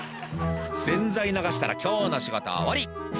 「洗剤流したら今日の仕事は終わり」